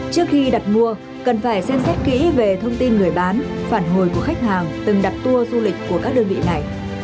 trước khi đặt mua cần phải xem xét kỹ về thông tin người bán phản hồi của khách hàng từng đặt tour du lịch của các đơn vị này